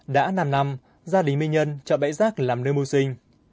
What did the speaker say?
đã năm năm gia đình minh nhân chọn bãi rác làm nơi mưu sinh